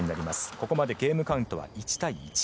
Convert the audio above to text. ここまでゲームカウントは１対１。